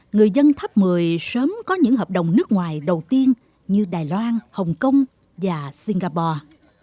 người dân thấp một mươi sớm có những hợp đồng nước ngoài đầu tiên như đài loan hồng kông và singapore